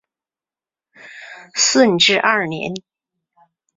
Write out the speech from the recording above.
顺治二年。